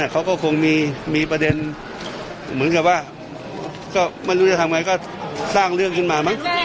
เขาก็คงมีประเด็นเหมือนกับว่าก็ไม่รู้จะทำไงก็สร้างเรื่องขึ้นมามั้ง